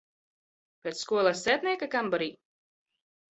Pēc skolas sētnieka kambarī?